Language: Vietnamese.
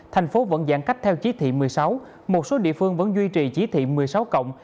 thành phố vẫn giãn cách theo chí thị một mươi sáu một số địa phương vẫn duy trì chỉ thị một mươi sáu cộng